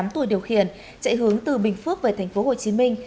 ba mươi tám tuổi điều khiển chạy hướng từ bình phước về tp hcm